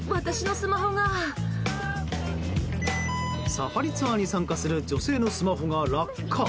サファリツアーに参加する女性のスマホが落下。